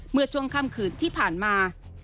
เมื่อช่วงค่ำคืนที่ผ่านมา